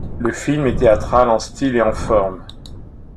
Le film est théâtral en style et en forme.